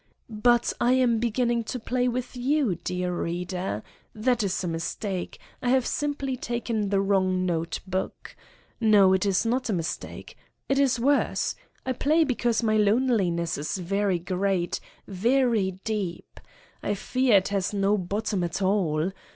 But I am beginning to play with you, dear reader? That is a mistake: I have simply taken 64 Satan's Diary the wrong note book. No, it is not a mistake. It is worse. I play because my loneliness is very great, very deep I fear, it has no bottom at all!